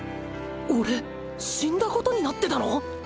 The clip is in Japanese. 俺死んだことになってたの？